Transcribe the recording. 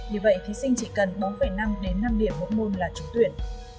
vì vậy thí sinh chỉ cần bốn năm đến năm điểm mỗi môn là trúng tuyển